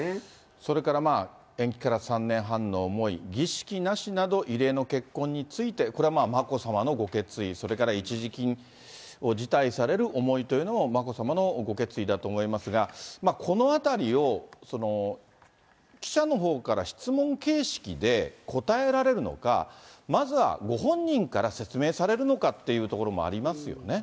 それから延期から３年半の思い、儀式なしなど、異例の結婚について、これはまあ眞子さまのご決意、それから一時金を辞退される思いというのも眞子さまのご決意だと思いますが、このあたりを記者のほうから質問形式で答えられるのか、まずはご本人から説明されるのかっていうところもありますよね。